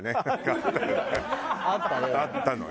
あったね。